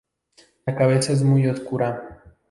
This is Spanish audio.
La cabeza es muy oscura.